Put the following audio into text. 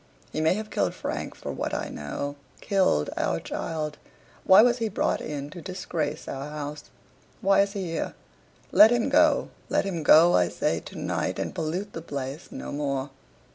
He may have killed Frank for what I know killed our child. Why was he brought in to disgrace our house? Why is he here? Let him go let him go, I say, to night, and pollute the place no more."